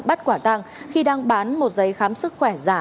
bắt quả tăng khi đang bán một giấy khám sức khỏe giả